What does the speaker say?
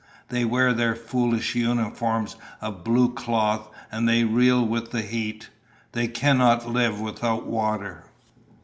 They wear their foolish uniforms of blue cloth and they reel with the heat. They cannot live without water."